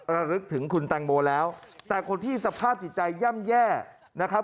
ระลึกถึงคุณแตงโมแล้วแต่คนที่สภาพจิตใจย่ำแย่นะครับ